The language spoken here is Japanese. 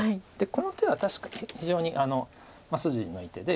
この手は確かに非常に筋のいい手で。